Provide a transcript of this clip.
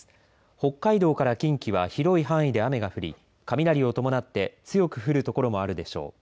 北海道から近畿は広い範囲で雨が降り、雷を伴って強く降る所もあるでしょう。